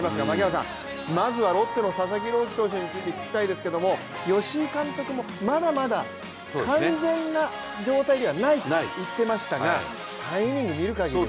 まずはロッテの佐々木朗希投手について聞きたいですけれども、吉井監督もまだまだ完全な状態ではないと言っていましたが、３イニング見る限りは。